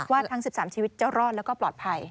ทั้ง๑๓ชีวิตจะรอดแล้วก็ปลอดภัย